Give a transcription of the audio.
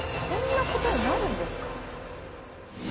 こんなことになるんですか？